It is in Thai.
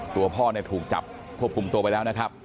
ตัวพ่อเนี่ยถูกจับควบคุมตัวไปแล้วนะครับ